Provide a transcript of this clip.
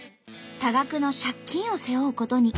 多額の借金を背負うことに。